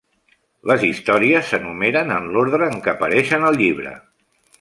Les histories s'enumeren en l'ordre en què apareixen al llibre.